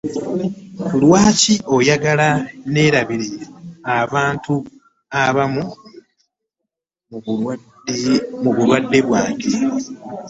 Lwaki oyagala neerabire abantu abamu mu bulamu bwange?